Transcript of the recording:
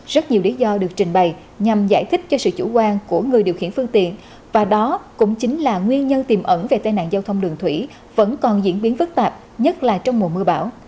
rất nhiều lý do được trình bày nhằm giải thích cho sự chủ quan của người điều khiển phương tiện và đó cũng chính là nguyên nhân tiềm ẩn về tai nạn giao thông đường thủy vẫn còn diễn biến phức tạp nhất là trong mùa mưa bão